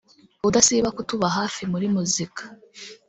udasiba kutuba hafi muri muzika “